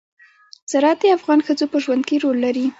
زراعت د افغان ښځو په ژوند کې رول لري.